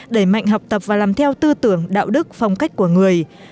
đẩy mạnh học tập và làm theo tư tưởng đạo đức phong cách của người